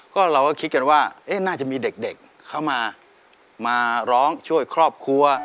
ก็เราก็คิดกันว่าน่าจะมีเด็กเข้ามามาร้องช่วยครอบครัว